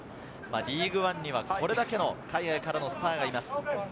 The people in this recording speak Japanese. リーグワンにはこれだけの海外からのスターがいます。